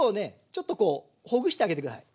ちょっとこうほぐしてあげて下さい。